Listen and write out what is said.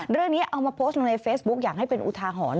เรื่องนี้เอามาโพสต์ลงในเฟซบุ๊คอยากให้เป็นอุทาหรณ์